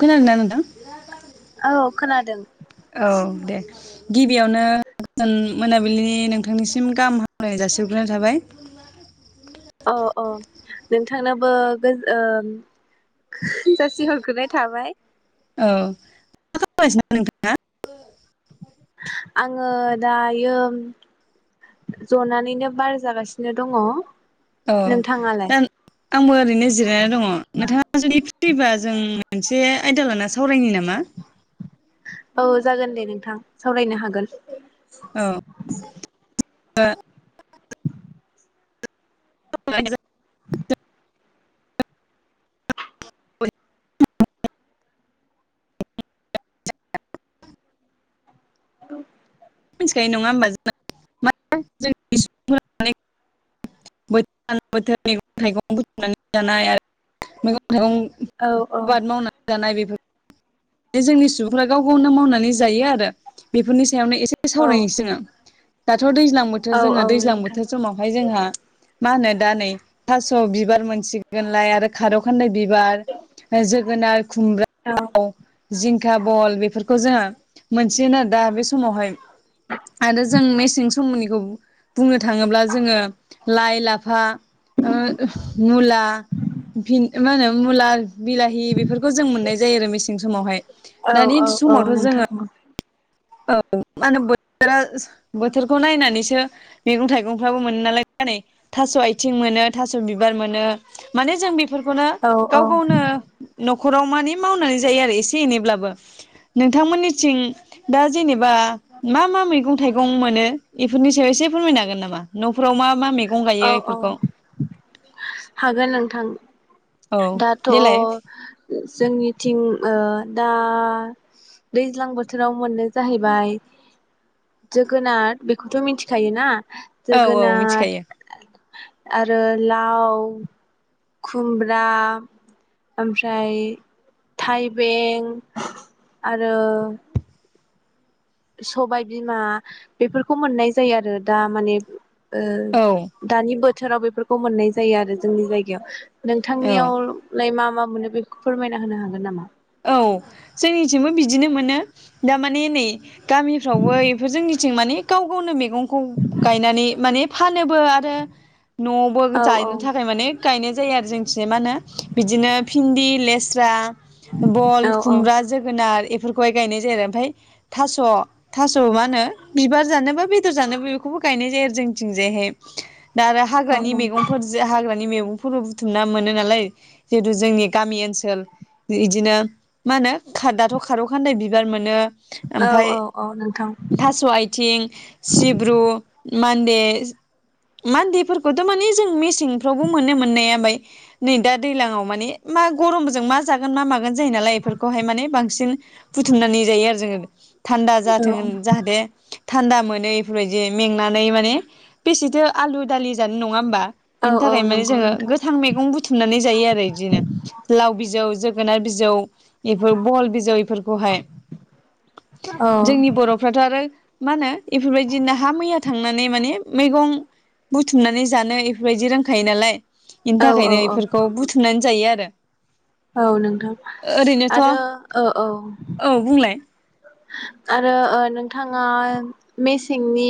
खोनादोंना नोंथां औ खोनादों औ दे गिबियावनो गोजोन मोनाबिलिनि नोंथांनिसिम गाहाम हामलाय जासिग्रोनाय थाबाय औ औ नोंथांनाबो गो जासिहरग्रोनाय थाबाय औ मा खालामगासिनो नोंथाङा आङो दायो जनानैनो बार जागासिनो दङ औ नोंथाङालाय दा आंबो ओरैनो जिरायनानै दङ नोंथाङा जुदि फ्रिबा जों मोनसे आयदा लाना सावरायनि नामा औ जागोन दे नोंथां सावरायनो हागोन औ औ औ मिनथिखायो नङा होमबा जोंना मा [unintelligible] बोथोर बोथोर मैगं थाइगं बुथुमनानै जानाय आरो मैगं [unintelligible] औ औ आबाद मावनानै जानाय बेफोर जोंनि सुबुंफ्रा गाव गावनो मावनानै जायो आरो बेफोरनि सायावनो ए सावरायनोसै औ जोङो थ' दैज्लां बोथोर औ जोङो औ दैज्लां नोंथां बोथोर समावहाय जोंहा मा होनो दा नै थास' बिबार मोनसिगोनलाय आरो खारौखान्दाय बिबार जोगोनार औ खुमब्रा जिं खा बल बेफोरखौ जोङो मोनसेयोन आरो दा बे समावहाय आरो जों मेसें समनि बुंनो थाङोब्ला जोङो लाइ लाफा [unintelligible] मुला भिन मा होनो मुला बिलाहि बेफोरखौ जों मोननाय जायो‌ आरो मेसें समावहाय औ दानि औ [unintelligible] औ समावथ' जोङो नोंथां औ [unintelligible] बोथोरखौ नायनानैसो मेगं थाइगंफ्राबो मोनो नालाय [unintelligible] थास' आथिं मोनो थास' बिबार मोनो माने जों बे फोरखौनो गाव औ गावनो न'खराव माने मावनानै जायो आरो एसे एनैब्लाबो नोंथांमोननिथिं दा जेने बा मा मा मैगं थाइगं मोनो। इफोरनि सायाव एसे फोरमायनो हागोन नामा न'फोराव मा मैगं गायो औ औ बेफोरखौ हागोन नोंथां। औ दाथ' देलाय जोंनिथिं ओ दा दैज्लां बोथोराव मोननो जाहैबाय जोगोनार बेखौथ' मिन्थिखायोना। औ औ मिथिखायो। आरो लाव। खुमब्रा ओमफ्राय थाइबें आरो। सबाय बिमा बेफोरखौ मोननाय जायो आरो दा माने। ओ औ दानि बोथोराव बेफोर खौ मोननाय जायो आरो जोंनि जायगायाव। औ नोंथांनियाव लाय मा मा मोनो बेखौ फोरमायना होनो हागोन नामा? औ जोंनिथिंबो बिदिनो मोनो दामाने नै गामिफ्रावबो इफोर जोंनिथिं माने गाव गावनो मे गंखौ गायनानै माने फानोबो आरो। न'आवबो औ औ जायनो थाखाय माने गायनाय जायो आरो जोंथिजाय मा होनो बिदिनो भिन्दि लेस्रा। बल औ औ खुमब्रा जोगोनार ए फोरखौहाय गायनाय जायो आरो ओमफाय थास' थास' मा होनो बिबार जानोबा बेद'र जानोबो बेखौबो गायनाय जायो आरो जोंथिंजायहाय। दा आरो औ हाग्रानि मैगंफोरज हाग्रानि [unintelligible] [unintelligible] बुथुमना मोनो नालाय जिदु जोंनि गामि ओनसोल इदिनो मा होनो खा दाथ' खारौखान्दाय बिबार मोनो। औ ओमफाय औ औ नोंथां थास' आयथिं सिब्रु मान्दे मान्देफोरखौत' माने जों मेसेंफ्रावबो मोननो मोननाया बाय नै दा दैलाङाव माने मा गरमजों मा जागोन मा मागोन। जायो नालाय इफोरखौहाय माने बांसिन बुथुमनानै जायो आरो जोङो थान्दा औ जाथों ओन औ जाहाथे थान्दा मोन [unintelligible] इफोरबायदि मेंनानै माने बेसेथो आलु दालि जानो नङा होमबा? औ बिनि औ थाखाय माने नंगौ जोङो नोंथां गोथां मैगं बुथुमनानै जायो आरो इदिनो लाव बिजौ जोगोनार बिजौ। एफोर बहल बिजौ एफोरखौहाय औ जोंनि बर'फ्राथ आरो मा होनो इफोरबायदि नाहा मैया थांनानै माने मैगं बुथुमनानै जानो इफोरबायदि रोंखायो नालाय। इनि औ औ थाखायनो औ इफोरखौ बुथुमनानै जायो आरो। औ नोंथां ओरैनोथ' आरो औ ओ औ। बुंलाय आरो ओ नोंथाङा मेसेंनि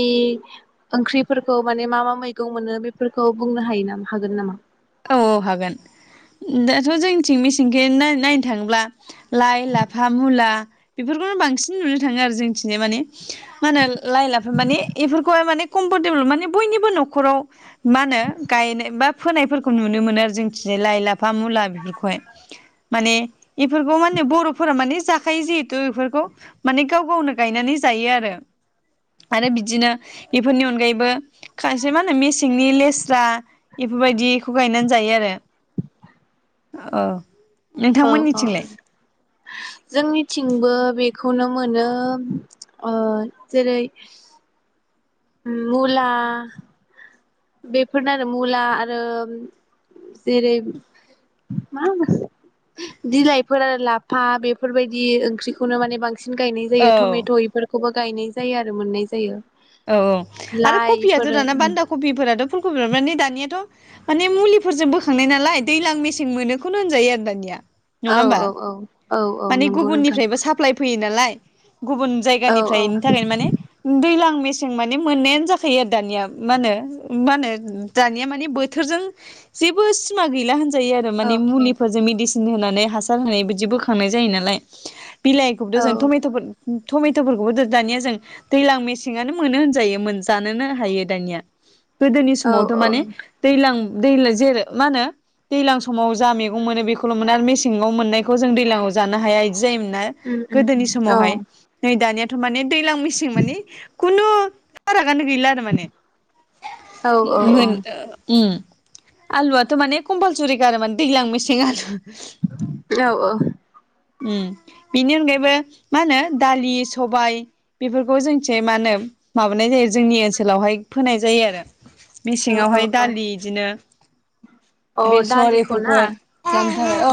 ओंख्रिफोरखौ माने मा मा मैगं मोनो बेफोरखौ बुंनो हायो नामा हागोन नामा। औ हागोन दाथ जोंथिं मेसें [unintelligible] नायनो थाङोब्ला लाइ लाफा मुला बेफोरखौनो बांसिन नुनो थाङो आरो जोंनिथिं माने मा होनो लाइ लाफा माने इफोरखौहाय माने कमफरटेबोल माने बयनिबो नखराव मा होनो गायनाय बा फोनायफोर खौ नुनो मोनो आरो जोंखि लाइ लाफा मुला बेफोरखौहाय माने इफोरखौ माने बर'फोरा माने जाखायो जिहेथु इफोरखौ माने गाव गावनो गायनानै जायो आरो आरो बिदिनो इफोरनि अनगायैबो खायसे मा होनो मेसेंनि लेस्रा इफोरबायदि खौ गायनानै जायो आरो ओ औ औ जोंनिथिंबो बे खौनो मोनो ओ जेरै मुला बेफोरनो आरो मुला आरो जेरै मा बिलाइफोर आरो लाफा बेफोरबायदि ओंख्रिखौनो माने बांसिन बांसिन गायनाय औ जायो टमेट एफोरखौबो गायनाय जायो आरो मोननाय जायो औ औ आरो लाइ कपियाथ इफोरो दाना उम बान्दा कपिफोराथ फुलखौ कपि माने दानियाथ माने मुलिफोरजों बोखांनाय नालाय दैलां मेसें मोनोखौनो होनजायो आरो दानिया नङा औ होमबा औ औ औ औ नंगौ नोंथां दालाय गुबुन औ जायगानिफ्रायनि थाखायनो माने दैलां जों माने मोननायानो जाखायो आरो दानिया मानो मानो दानिया मान बोथोरजों जेबो सिमा गैला होनजा जायो आरो औ माने मुलिफोरजों मेडिसिन नानै हासार होनाय बिदि बोखांनाय जायो नालाय बिलाइ औ खबोथ जों टमेटफोर टमेटफोरखौबो दानिया जों दैज्लां मेसेङानो मोनो होनजायो जानोनो हायो दानिया गोदोनि औ समावथ औ माने दैलां दै जेर मा होनो दैलां समाव जा मैगं मोनो बेखौल मोनो आरो मेसेङाव मोननायखौ जों दैलाङाव जानो हाया जायोमोन ना उम उम गोदोनि औ समावहाय नै दानिया माने दैलां मेसें माने आनो गैला आरो माने औ औ मोन ओ आलुआथ माने कम्पालसरि गार माने दैलां मेसें आलु औ औ ओम बेनि अनगायैबो मा होनो दालि सबाय बेफोरखौ जोंनिथिं मा होनो माबानाय जायो जोंनि ओनसोलावहाय फोनाय जायो आरो औ मेसेङावहाय औ दालि बिदिनो अ बेसर दालिखौ ना बेफोरखौहाय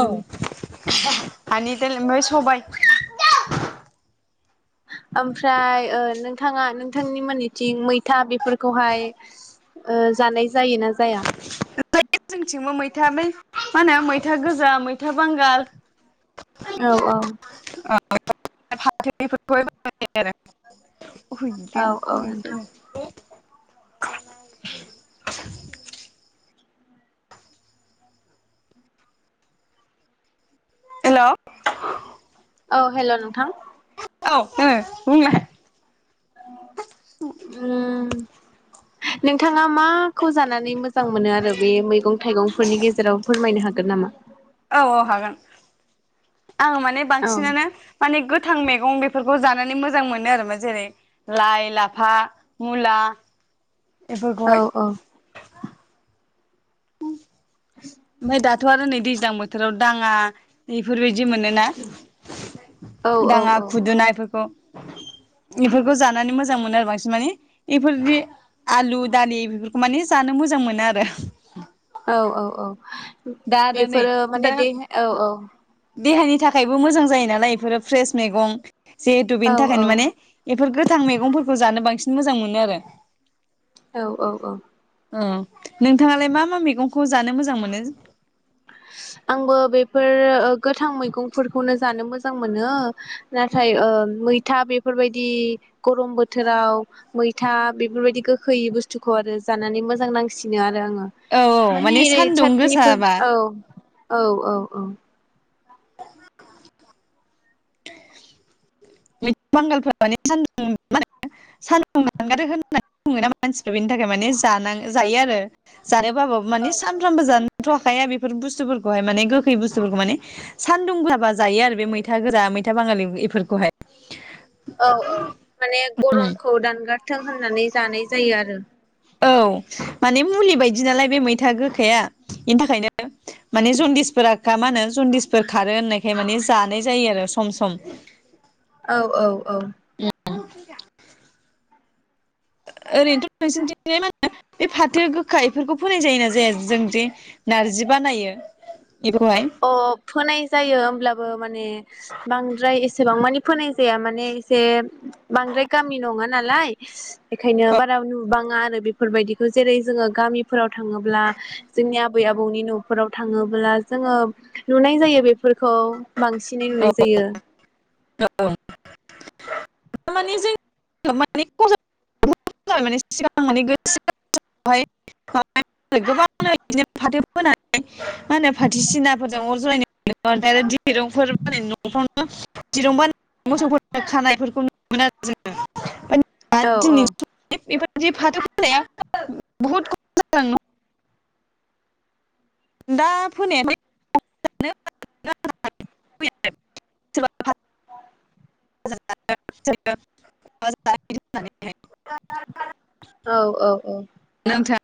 औ [unintelligible] सबाय ओमफ्राय ओ नोंथाङा नोंथांमोननिथिं मैथा बेफोरखौहाय ओ जानाय जायोना जाया [unintelligible] माहोनो मैथा गोजा मैथा बांगाल औ औ [unintelligible] [unintelligible] औ फैद औ नोंथां दे फै [unintelligible] हेल' औ हेल' नोंथां औ ओम ओम नोंथां ङा माखौ जानानै मोजां मोनो आरो बे मैगं थाइगंफोरनि गेजेराव फोरमायनो हागोन? हागोन नामा? औ औ हागोन आं माने औ बांसिनानो माने गोथां मैगं बेफोरखौ जानानै मोजां मोनो आरो मा जेरै लाइ लाफा मुला औ बेफोरखौहाय [unintelligible] ओमफ्राय दाथ' आरो नै दैज्लां बोथोराव दाङा बेफोरबायदि मोनोना? औ औ दाङा औ खुदुना एफोरखौ। बेफोरखौ जानानै मोजां मोनो बांसिन मानि एफोरदि आलु दालि बेफोरखौ माने जानो मोजां मोनो आरो। औ औ औ दा आरो नै बेफोरो माने दा दे औ औ। देहानि थाखायबो मोजां जायो नालाय एफोरो फ्रेस मैगं जिहेथु औ बेनि थाखायनो औ माने एफोर गोथां मैगंफोरखौ जानो बांसिन मोजां मोनो आरो औ औ औ अ नोंथाङालाय मा मा मैगंखौ जानो मोजां मोनो? नो आंबो बेफोर ओ गोथां मैगंफोरखौनो जानो मोजां मोनो नाथाय ओ मैथा बेफोर बायदि गरम बोथोराव मैथा बेफोर बायदि गोखै बुस्थुखौ आरो जानानै मोजां नांसिनो आरो आङो। औ औ माने ओरै सानदुं सातनिफोर गोसाबा औ औ औ औ मै था बांगालफोर माने सान दुं मा होनो सान दुं दान गारो होनना नै बुङोना मानसि फोरा बेनि थाखाय माने जानां जायो आरो [unintelligible] जानो बाबाबो मानि औ सानफ्रामबो जानो [inaudible] थ' हाखाया बेफोर बुस्थुफोरखौहाय माने गोखै बुस्थुफोरखौ माने सानदुं गो बा जायो आरो बे मैथा गोजा मैथा बांगाल बे एफोरखौहाय। औ औ माने गरमखौ दानगार गारथों होननानै जानाय जायो आरो औ माने मुलि बायदि नालाय बे मैथा गोखाया बेनि थाखायनो माने जन्दिसफोरा मा होनो जन्दिसफोर खारो होननायखाय माने जानाय जायो आरो सम सम औ औ औ [inaudible] ओरैनोथ नोंसोरनिथि मा होनो बे फाथो गोखा बेफोरखौ फोनाय जायोना जाया जोंदि नारजि बानायो बेखौहाय अ फोनाय जायो होमब्लाबो माने बांद्राय एसेबां मानि फोनाय जाया माने एसे बांद्राय गामि नङा नालाय बेखायनो बारा नुबाङा आरो बेफोरबायदिखौ जेरै जोङो गामिफोराव थाङोब्ला जोंनि आबै आबौनि नफोराव थाङोब्ला जोङो नुनाय जायो बेफोरखौ बांसिनै नुनाय जायो औ माने जों [unintelligible] माने मे [unintelligible] गोबां बिदिनो फाथो फोनानै मा होनो फाथोसिनाफोरजों अर जलायनो [unintelligible] [unintelligible] दिरुं बानायो मोसौफोर खानायफोरखौ नुनो मोनो औ औ [inaudible] [unintelligible] [unintelligible] दा फोनाया [unintelligible] [unintelligible] औ औ औ नोंथां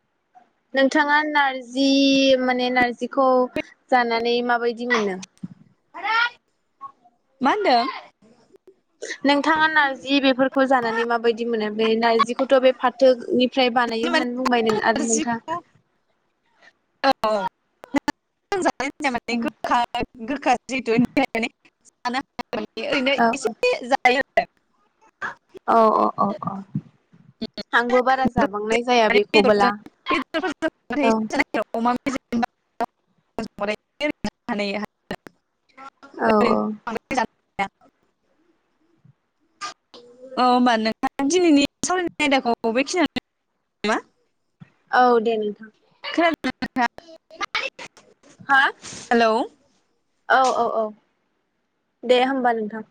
नोंथाङा नारजि माने नार्जिखौ जानानै माबायदि मोनो मा होनदों नारजिखौ जानानै माबायदि मोनो बे नारजिखौथ बे फाथोनि फ्राय बानायो माने होननानै बुंबाय नोङो आरो नोंथां नारजिखौ औ [unintelligible] [unintelligible] ओरैनो औ एसे [unintelligible] औ औ औ औ आंबो बारा जाबांनाय जाया बेखौ बेदरजों अमा [unintelligible] [unintelligible] औ औ औ होनबा नोंथाङा दिनैनि सावरायनाय आयदाखौ बेखिनिआवनो नामा। औ दे नोंथां। हा [unintelligible] हेल'। औ औ औ दे होमबा नोंथां।